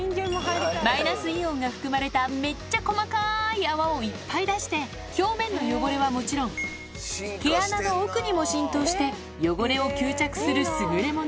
マイナスイオンが含まれためっちゃ細かい泡をいっぱい出して、表面の汚れはもちろん、毛穴の奥にも浸透して汚れを吸着する優れもの。